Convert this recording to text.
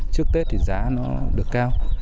trước tết thì giá nó được cao